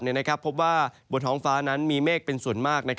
บริเวณที่มีเมฆเป็นส่วนมาก